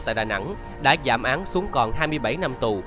tại đà nẵng đã giảm án xuống còn hai mươi bảy năm tù